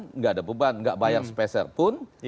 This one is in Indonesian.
tidak ada beban tidak bayar sepeserpun